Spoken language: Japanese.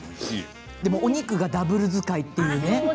でもお肉がダブル使いというね